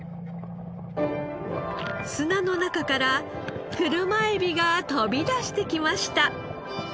砂の中から車エビが飛び出してきました。